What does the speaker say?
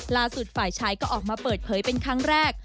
ฝ่ายชายก็ออกมาเปิดเผยเป็นครั้งแรก